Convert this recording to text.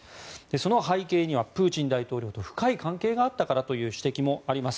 その背景にはプーチン大統領と深い関係があったからという指摘もあります。